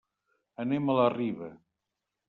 Anem a la Riba.